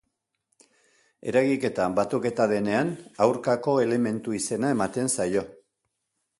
Eragiketa batuketa denean, aurkako elementu izena ematen zaio.